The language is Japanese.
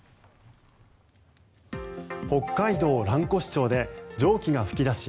北海道蘭越町で蒸気が噴き出し